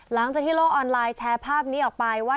หลังจากที่โลกออนไลน์แชร์ภาพนี้ออกไปว่า